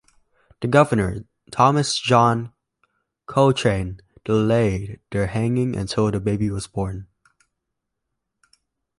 The governor, Thomas John Cochrane delayed her hanging until the baby was born.